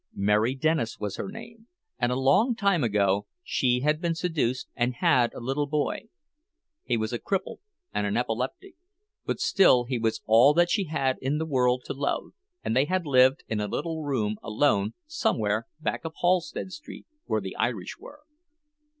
Mary Dennis was her name, and a long time ago she had been seduced, and had a little boy; he was a cripple, and an epileptic, but still he was all that she had in the world to love, and they had lived in a little room alone somewhere back of Halsted Street, where the Irish were.